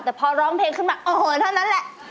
แต่พอร้องเพลงขึ้นมาโอ้โหเท่านั้นแหละ